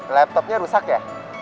laptopnya rusak ya